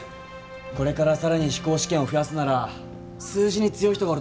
これから更に飛行試験を増やすなら数字に強い人がおると助かる。